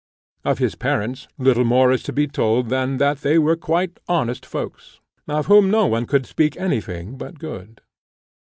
Of his parents little more is to be told than that they were quiet honest folks, of whom no one could speak any thing but good.